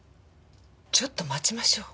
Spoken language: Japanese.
ちょっと待ちましょう。